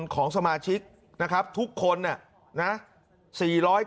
คุณสิริกัญญาบอกว่า๖๔เสียง